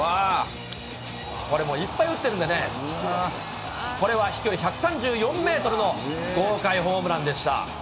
これもういっぱい打ってるんでね、これは飛距離１３４メートルの豪快ホームランでした。